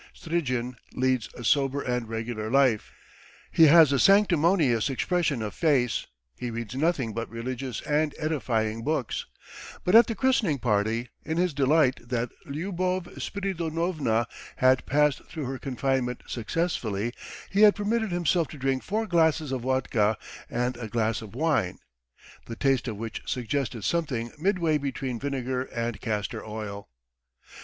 Strizhin leads a sober and regular life. He has a sanctimonious expression of face, he reads nothing but religious and edifying books, but at the christening party, in his delight that Lyubov Spiridonovna had passed through her confinement successfully, he had permitted himself to drink four glasses of vodka and a glass of wine, the taste of which suggested something midway between vinegar and castor oil.